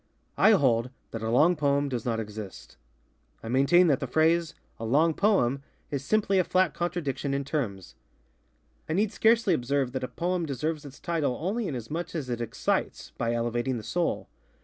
I hold that a long poem does not exist. I maintain that the phrase, ŌĆ£a long poem, ŌĆØ is simply a flat contradiction in terms. I need scarcely observe that a poem deserves its title only inasmuch as it excites, by elevating the soul.